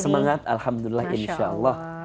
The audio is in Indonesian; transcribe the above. semangat alhamdulillah insyaallah